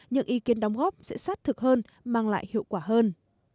những ý kiến đóng góp sẽ sát thực hơn mang lại hiệu quả hơn